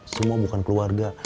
semua bukan keluarga